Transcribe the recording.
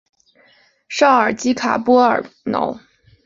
绍尔基卡波尔瑙。